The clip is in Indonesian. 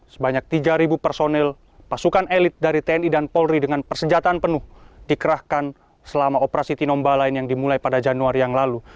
sebanyak tiga personil pasukan elit dari tni dan polri dengan persenjataan penuh dikerahkan selama operasi tinombalain yang dimulai pada januari yang lalu